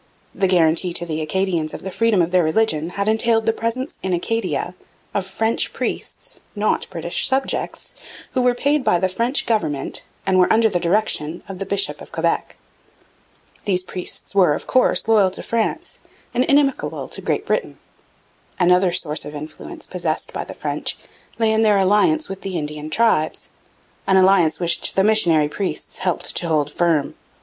The guarantee to the Acadians of the freedom of their religion had entailed the presence in Acadia of French priests not British subjects, who were paid by the French government and were under the direction of the bishop of Quebec. These priests were, of course, loyal to France and inimical to Great Britain. Another source of influence possessed by the French lay in their alliance with the Indian tribes, an alliance which the missionary priests helped to hold firm.